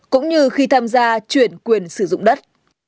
cũng như khi tham gia chuyển quyền sử dụng đất